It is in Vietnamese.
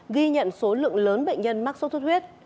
ghi nhận số lượng lớn bệnh nhân mắc sốt xuất huyết